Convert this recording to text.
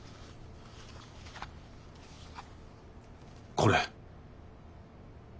これ。